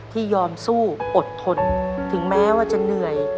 ที่ยอมสู้อดทนถึงแม้ว่าจะเหนื่อย